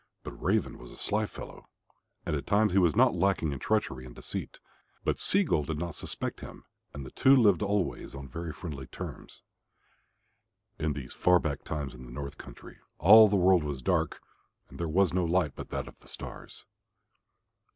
But Raven was a sly fellow, and at times he was not lacking in treachery and deceit. But Sea gull did not suspect him, and the two lived always on very friendly terms. In these far back times in the north country all the world was dark and there was no light but that of the stars.